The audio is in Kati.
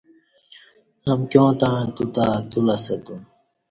امکیاں تݩع تو تہ اتو لسہ تم